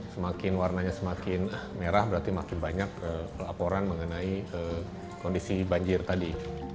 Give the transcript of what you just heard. semakin warnanya semakin merah berarti makin banyak laporan mengenai kondisi banjir tadi